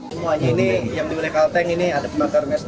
semuanya ini yang dimiliki kalteng ini ada pembakar sd